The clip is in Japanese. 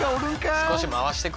少し回してくれ。